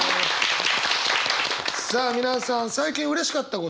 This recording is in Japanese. さあ皆さん最近うれしかったこと。